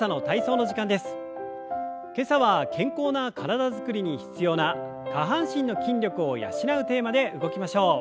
今朝は健康な体づくりに必要な下半身の筋力を養うテーマで動きましょう。